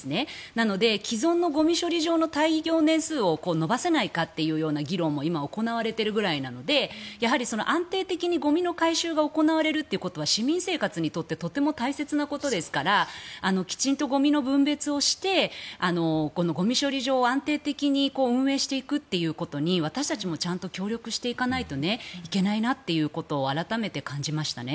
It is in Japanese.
なので、既存のゴミ処理場の耐用年数を延ばせないかということが今行われているぐらいなので安定的にゴミの回収が行われるということは市民生活にとってとても大切なことですからきちんとゴミの分別をしてゴミ処理場を安定的に運営していくということに私たちも協力していかないといけないなということを改めて感じましたね。